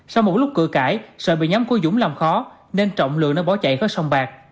sau một lúc cử cãi sợi bị nhóm côi dũng làm khó nên trọng lượng bỏ chạy khỏi sông bạc